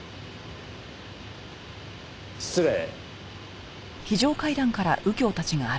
失礼。